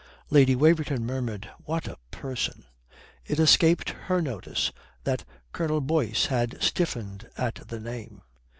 Lady Waverton murmured, "What a person!" It escaped their notice that Colonel Boyce had stiffened at the name.